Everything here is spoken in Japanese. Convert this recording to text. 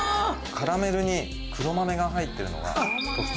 カラメルに黒豆が入ってるのが特徴。